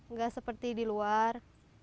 nggak seperti di luar